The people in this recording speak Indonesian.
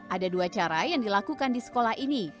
ada dua cara yang dilakukan di sekolah ini